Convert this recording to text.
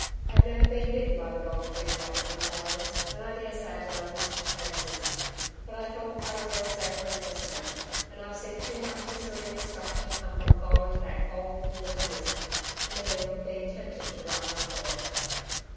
I've never been bitten by the gold fever like some fellows, and I daresay that I've missed chances. But I thought cattle were a safer investment, and I've seen too much misery and destruction come from following that gold will o' the wisp, for me to have been tempted to run after it.